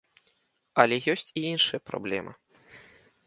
Але ёсць і іншая праблема.